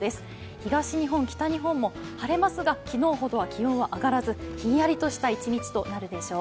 東日本、北日本も晴れますが昨日ほどは気温は上がらず、ひんやりとした一日となるでしょう。